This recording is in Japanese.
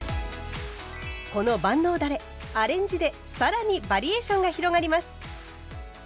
この万能だれアレンジで更にバリエーションが広がります。